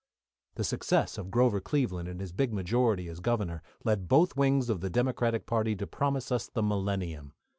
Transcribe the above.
The success of Grover Cleveland and his big majority, as Governor, led both wings of the Democratic party to promise us the millennium.